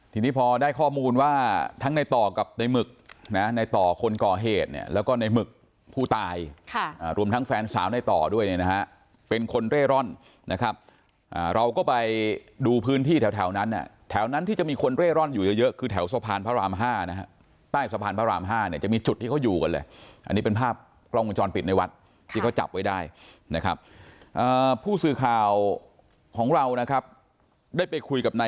ที่นี่พอได้ข้อมูลว่าทั้งในต่อกับในหมึกนะในต่อคนก่อเหตุเนี้ยแล้วก็ในหมึกผู้ตายค่ะอ่ารวมทั้งแฟนสาวในต่อด้วยนะฮะเป็นคนเร่ร่อนนะครับอ่าเราก็ไปดูพื้นที่แถวแถวนั้นอ่ะแถวนั้นที่จะมีคนเร่ร่อนอยู่เยอะเยอะคือแถวสะพานพระรามห้านะฮะใต้สะพานพระรามห้าเนี้ยจะมีจุดที่เขาอยู่กันเลยอันนี้เป็น